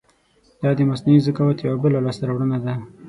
دا د مصنوعي ذکاوت یو بله لاسته راوړنه ده.